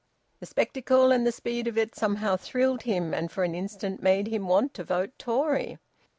The spectacle, and the speed of it, somehow thrilled him, and for an instant made him want to vote Tory.